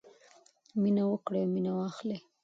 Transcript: مینه ورکړئ او مینه واخلئ.